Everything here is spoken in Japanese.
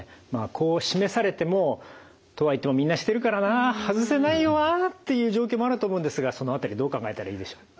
こう示されてもとはいってもみんなしてるからな外せないよなっていう状況もあると思うんですがその辺りどう考えたらいいでしょう？